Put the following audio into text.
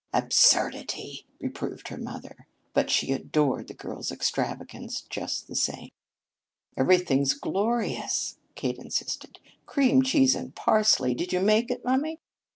"Absurdity!" reproved her mother, but she adored the girl's extravagances just the same. "Everything's glorious," Kate insisted. "Cream cheese and parsley! Did you make it, mummy?